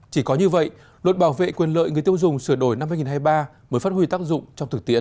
chỉ có như vậy luật bảo vệ quyền lợi người tiêu dùng sửa đổi năm hai nghìn hai mươi ba mới phát huy tác dụng trong thực tiễn